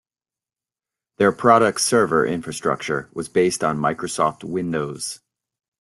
Their product's server infrastructure was based on Microsoft Windows.